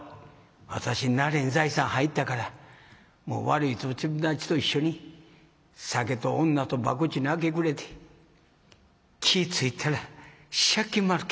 「私慣れん財産入ったからもう悪い友達と一緒に酒と女と博打に明け暮れて気ぃ付いたら借金まるけ。